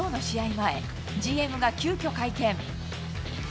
前、ＧＭが急きょ会見。